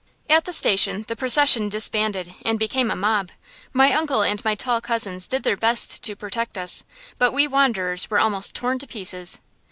At the station the procession disbanded and became a mob. My uncle and my tall cousins did their best to protect us, but we wanderers were almost torn to pieces.